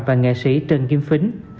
và nghệ sĩ trần kim phính